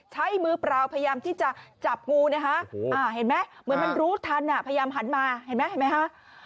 ใช้มือเปล่าพยายามที่จะจับงูนะคะเห็นไหมเหมือนมันรู้ทันพยายามหันมาเห็นไหมเห็นไหมฮะ